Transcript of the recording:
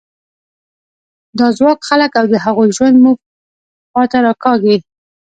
دا ځواک خلک او د هغوی ژوند موږ خوا ته راکاږي.